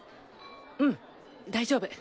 うん大丈夫。